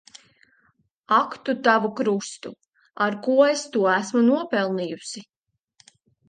Ak tu tavu krustu! Ar ko es to esmu nopelnījusi.